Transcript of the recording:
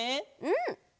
うん。